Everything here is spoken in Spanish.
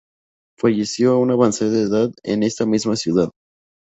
Falleció a una avanzada edad en esta misma ciudad.